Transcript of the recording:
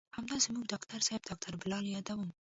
همدا زموږ ډاکتر صاحب ډاکتر بلال يادوم.